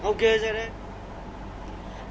ok giờ đây